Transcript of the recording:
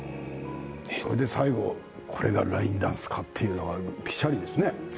それで最後ラインダンスか、というのはぴしゃりですね。